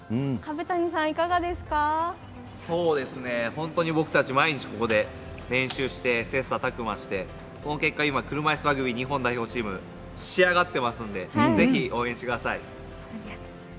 本当に僕たち、毎日ここで練習して、切さたく磨してその結果車いすラグビー日本代表仕上がってますのでぜひ応援してください。